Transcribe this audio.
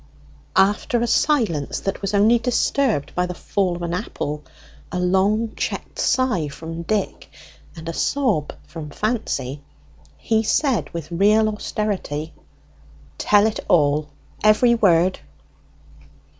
After a silence that was only disturbed by the fall of an apple, a long checked sigh from Dick, and a sob from Fancy, he said with real austerity "Tell it all; every word!"